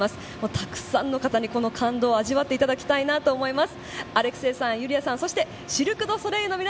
たくさんの方にこの感動を味わっていただきたいなと思います。